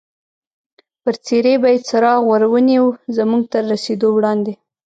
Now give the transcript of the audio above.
پر څېرې به یې څراغ ور ونیو، زموږ تر رسېدو وړاندې.